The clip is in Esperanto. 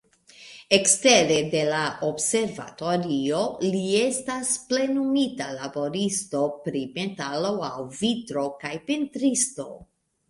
Ekstere de la observatorio, li estas plenumita laboristo pri metalo aŭ vitro kaj pentristo.